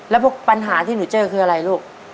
แล้วพวกปัญหาที่หนูเจอคืออะไรลูก